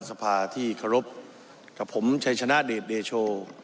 สภาที่เคารพกับผมชัยชนะเดชเดโช